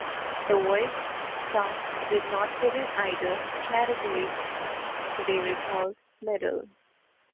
The voiced stops did not fit in either category, so they were called "middle".